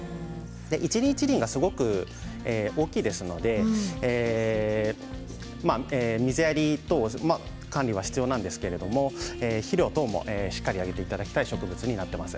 一輪一輪がすごく大きいですので水やりと、管理が必要なんですけれど肥料等しっかりあげていただきたい植物になっています。